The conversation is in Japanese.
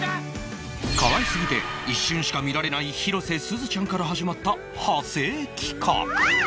可愛すぎて一瞬しか見られない広瀬すずちゃんから始まった派生企画